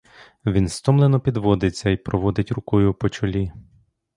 Він стомлено підводиться й проводить рукою по чолі.